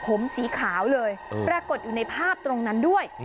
ผมสีขาวเลยปรากฏอยู่ในภาพตรงนั้นด้วย